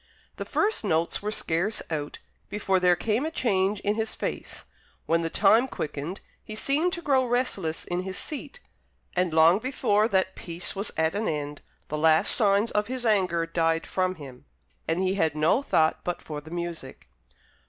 The first notes were scarce out, before there came a change in his face; when the time quickened, he seemed to grow restless in his seat; and long before that piece was at an end, the last signs of his anger died from him, and he had no thought but for the music.